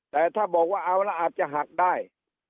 แต่ถ้าบอกว่าเอาแล้วอาจจะหักได้